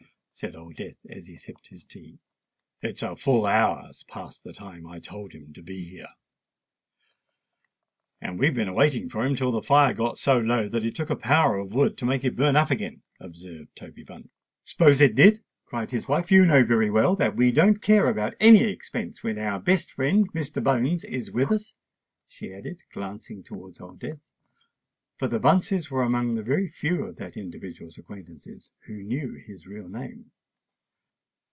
said Old Death, as he sipped his tea. "It's a full hour past the time that I told him to be here." "And we've been a waiting for him till the fire got so low that it took a power of wood to make it burn up again," observed Toby Bunce. "S'pose it did?" cried his wife. "You know very well that we don't care about any expense when our best friend Mr. Bones is with us," she added, glancing towards Old Death; for the Bunces were amongst the very few of that individual's acquaintances who knew his real name.